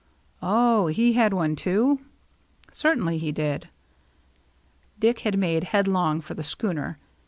'*" Oh, he had one too ?"" Certainly he did." Dick had made headlong for the schooner.